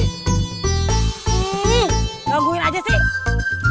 ini gangguin aja sih